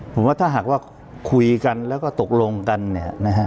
ผมว่าถ้าหากว่าคุยกันแล้วก็ตกลงกันเนี่ยนะฮะ